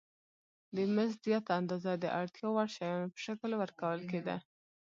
د مزد زیاته اندازه د اړتیا وړ شیانو په شکل ورکول کېده